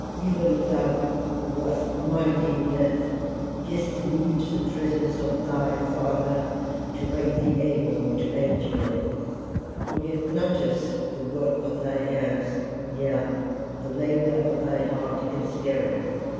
Even thou who wast mighty in death, didst need the presence of thy Father to make thee able to endure: forget not us the work of thy hands, yea, the labour of thy heart and spirit.